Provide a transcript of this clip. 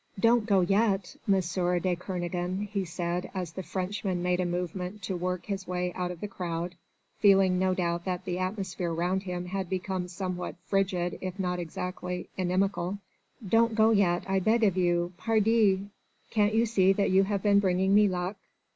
"Don't go yet, M. de Kernogan," he said as the Frenchman made a movement to work his way out of the crowd, feeling no doubt that the atmosphere round him had become somewhat frigid if not exactly inimical, "don't go yet, I beg of you. Pardi! Can't you see that you have been bringing me luck?